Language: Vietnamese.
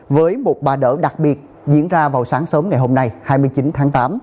với một ba đỡ đặc biệt diễn ra vào sáng sớm ngày hôm nay hai mươi chín tháng tám